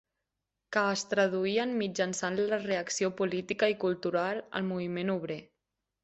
Que es traduïen mitjançant la reacció política i cultural al moviment obrer.